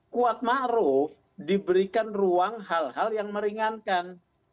kuat ma'ruf diberikan ruang hal hal yang meringankan